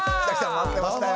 待ってましたよ。